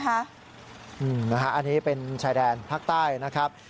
อันนี้เป็นชายแดนภาคใต้นะครับ